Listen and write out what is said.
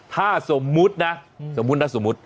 ถ้าสมมุตินะสมมุตินะสมมุติ